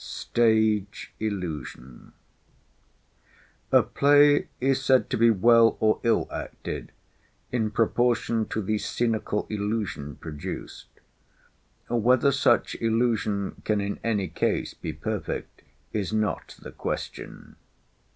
STAGE ILLUSION A play is said to be well or ill acted in proportion to the scenical illusion produced. Whether such illusion can in any case be perfect, is not the question.